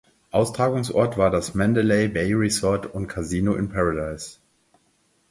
Austragungsort war das Mandalay Bay Resort and Casino in Paradise.